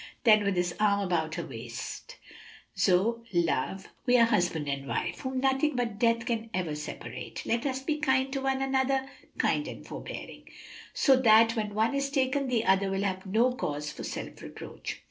Then with his arm about her waist, "Zoe, love, we are husband and wife, whom nothing but death can ever separate. Let us be kind to one another, kind and forbearing, so that when one is taken the other will have no cause for self reproach."